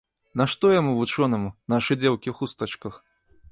Нашто яму, вучонаму, нашы дзеўкі ў хустачках?